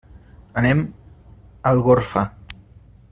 Anem a Algorfa.